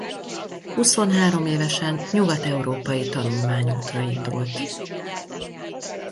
Huszonhárom évesen nyugat-európai tanulmányútra indult.